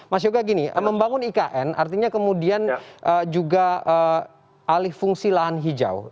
mas yoga gini membangun ikn artinya kemudian juga alih fungsi lahan hijau